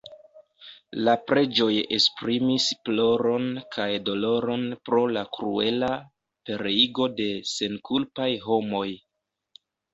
La preĝoj esprimis ploron kaj doloron pro la kruela pereigo de senkulpaj homoj.